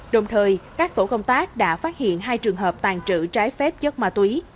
đồng thời các tổ công tác đã phát hiện hai trường hợp tàn trữ trái phép chất ma túy